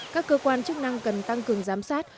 các cơ quan chức năng cần tăng cường giám sát